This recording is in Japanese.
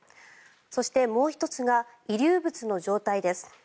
そして、もう１つが遺留物の状態です。